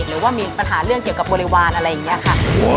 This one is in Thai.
หรือว่ามีปัญหาเรื่องเกี่ยวกับบริวารอะไรอย่างนี้ค่ะ